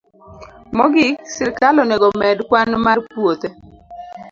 Mogik, sirkal onego omed kwan mar puothe